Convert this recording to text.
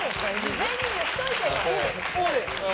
事前に言っといてよ。